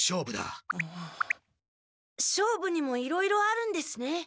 勝負にもいろいろあるんですね。